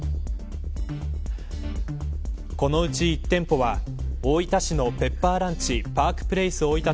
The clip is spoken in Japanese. このうち１店舗は大分市のペッパーランチパークプレイス大分